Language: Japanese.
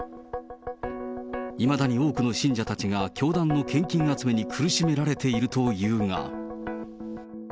いまだに多くの信者たちが教団の献金集めに苦しめられているというが。